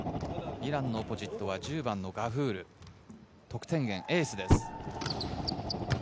イランのオポジットは１０番のガフール、得点源、エースです。